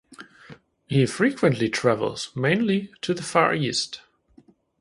He frequently travels, mainly to the Far East.